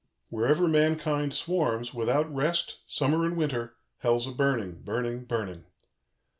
"Wherever mankind swarms, without rest, summer and winter, Hell's a burning, burning, burning.